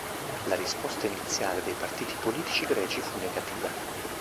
La risposta iniziale dei partiti politici greci fu negativa.